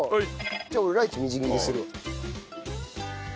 じゃあ俺ライチみじん切りするわ。